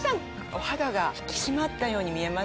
お肌が引き締まったように見えます。